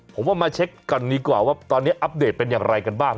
ผมว่ามาเช็คกันดีกว่าว่าตอนนี้อัปเดตเป็นอย่างไรกันบ้าง